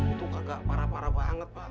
itu agak parah parah banget pak